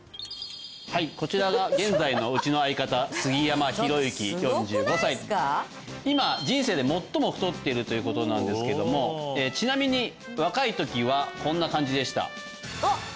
はいこちらが現在のうちの相方杉山裕之４５歳今人生で最も太っているということなんですけどもちなみに若いときはこんな感じでしたあっ